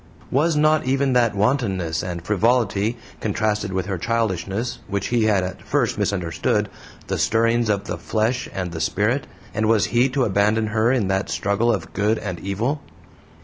Was not even that wantonness and frivolity contrasted with her childishness which he had at first misunderstood the stirrings of the flesh and the spirit, and was he to abandon her in that struggle of good and evil?